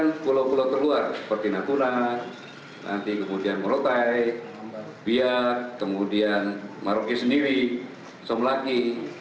keharusan pulau pulau terluar seperti natuna nanti kemudian merotai biak kemudian maruki sendiri somlaki